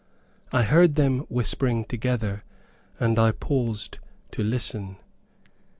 I heard them whispering together, and I paused to listen.